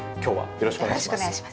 よろしくお願いします。